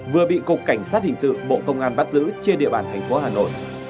vừa bị cục cảnh sát hình sự bộ công an bắt giữ trên địa bàn thành phố hà nội